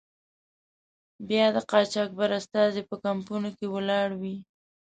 بیا د قاچاقبر استازی په کمپونو کې ولاړ وي.